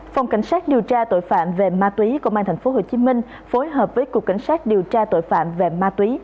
phòng cảnh sát điều tra tội phạm về ma túy của ban thành phố hồ chí minh phối hợp với cục cảnh sát điều tra tội phạm về ma túy